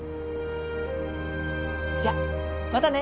じゃあまたね。